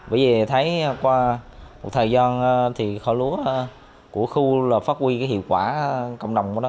bởi vì thấy qua một thời gian thì kho lúa của khu là phát huy cái hiệu quả cộng đồng của nó